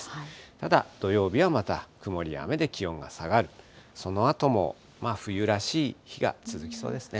ただ、土曜日はまた曇りや雨で、気温が下がる、そのあとも冬らしい日が続きそうですね。